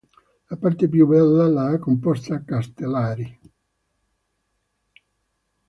La parte più bella l'ha composta Castellari.